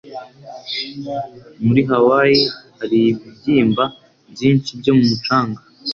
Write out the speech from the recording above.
Muri Hawaii hari ibibyimba byinshi byo ku mucanga.